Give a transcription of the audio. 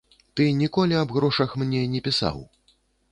Ты ніколі аб грошах мне не пісаў.